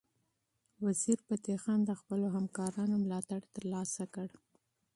وزیرفتح خان د خپلو همکارانو ملاتړ ترلاسه کړ.